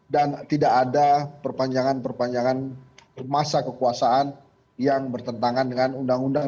dan tidak ada perpanjangan perpanjangan masa kekuasaan yang bertentangan dengan undang undang